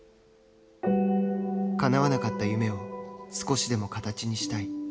かなわなかった夢を少しでも形にしたい。